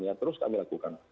ya terus kami lakukan